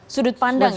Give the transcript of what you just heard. sudut pandang ya